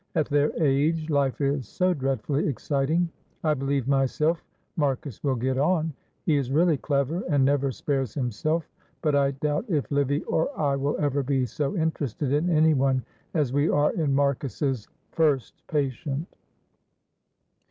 at their age life is so dreadfully exciting. I believe myself Marcus will get on; he is really clever, and never spares himself, but I doubt if Livy or I will ever be so interested in anyone as we are in Marcus's first patient."